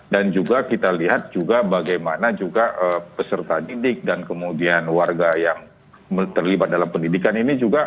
dan juga kita lihat juga bagaimana juga peserta didik dan kemudian warga yang terlibat dalam pendidikan ini juga